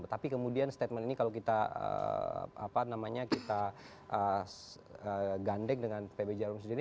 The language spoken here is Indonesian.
tapi kemudian statement ini kalau kita gandeng dengan pb jarum sendiri